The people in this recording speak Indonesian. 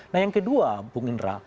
nah yang kedua bung indra